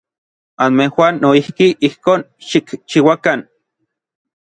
Anmejuan noijki ijkon xikchiuakan.